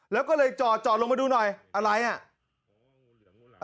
แล้วก็เลยจอดลงมาดูหน่อยอะไรอ่ะ